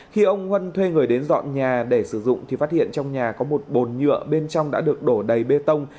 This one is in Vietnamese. khi ông huân thuê người đến dọn nhà để sử dụng thì phát hiện trong nhà có một bồn nhựa bên trong đã được đổ đầy bê tông